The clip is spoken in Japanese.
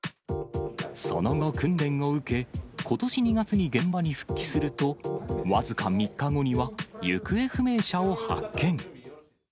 その後、訓練を受け、ことし２月に現場に復帰すると、僅か３日後には行方不明者を発見。